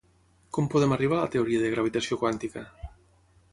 Com podem arribar a la teoria de gravitació quàntica?